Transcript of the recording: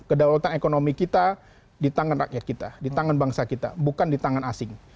kedaulatan ekonomi kita di tangan rakyat kita di tangan bangsa kita bukan di tangan asing